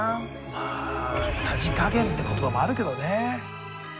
まあさじ加減って言葉もあるけどね。